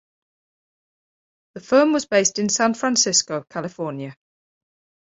The firm was based in San Francisco, California.